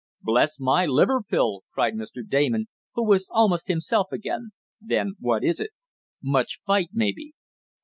"Bless my liver pill!" cried Mr. Damon, who was almost himself again. "Then what is it?" "Much fight, maybe."